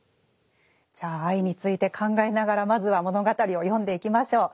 じゃあ愛について考えながらまずは物語を読んでいきましょう。